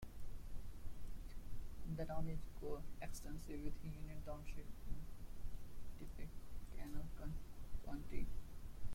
The town is coextensive with Union Township in Tippecanoe County.